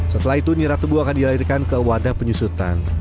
setelah itu nirah tebu akan dilahirkan ke wadah penyusutan